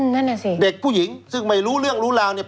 นั่นน่ะสิเด็กผู้หญิงซึ่งไม่รู้เรื่องรู้ราวเนี่ย